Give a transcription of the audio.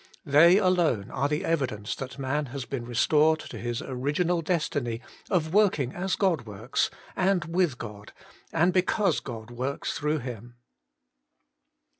They alone are the evi dence that man has been restored to his original destiny of working as God works, and with God, and because God works through him.